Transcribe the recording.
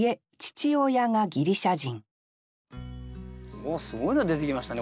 おおすごいの出てきましたね